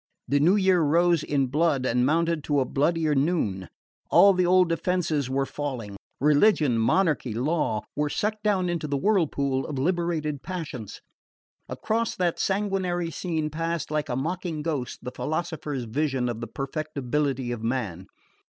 The new year rose in blood and mounted to a bloodier noon. All the old defences were falling. Religion, monarchy, law, were sucked down into the whirlpool of liberated passions. Across that sanguinary scene passed, like a mocking ghost, the philosophers' vision of the perfectibility of man.